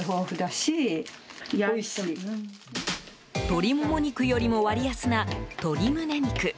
鶏モモ肉よりも割安な鶏胸肉。